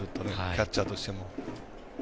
キャッチャーとしても。